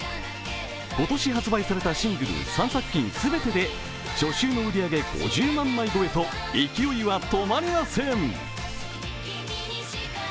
今年発売されたシングル３作品全てで初週の売り上げ５０万枚超えと勢いは止まりません。